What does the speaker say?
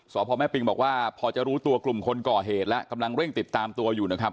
สอบพ่อแม่ปิงบอกว่าพอจะรู้ตัวกลุ่มคนก่อเหตุแล้วกำลังเร่งติดตามตัวอยู่นะครับ